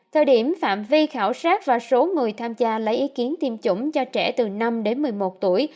thời điểm phạm vi khảo sát và số người tham gia lấy ý kiến tiêm chủng cho trẻ từ năm đến một mươi một tuổi